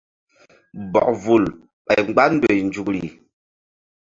Bɔk vul ɓay mgba ndoy nzukri.